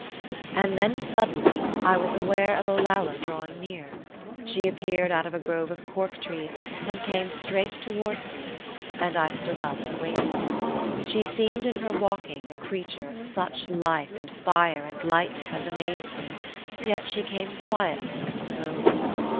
And then suddenly I was aware of Olalla drawing near. She appeared out of a grove of cork trees, and came straight towards me; and I stood up and waited. She seemed in her walking a creature of such life and fire and lightness as amazed me; yet she came quietly and slowly.